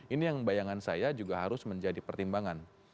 ini yang bayangan saya juga harus menjadi pertimbangan